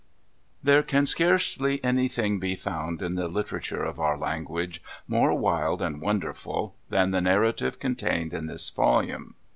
There can scarcely anything be found in the literature of our language, more wild and wonderful, than the narrative contained in this volume.